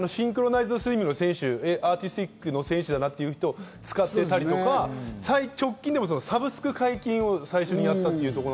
ライブ映像でいうとアーティスティックの選手だなという人を使っていたりとか、直近でもサブスク解禁も最初にやったと。